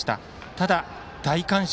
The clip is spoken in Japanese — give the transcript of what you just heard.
ただ大観衆。